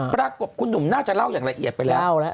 ปรากฏคุณหนุ่มน่าจะเล่าอย่างละเอียดไปแล้ว